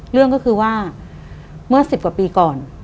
เรื่องก็คือว่าเมื่อ๑๐กว่าปีก่อน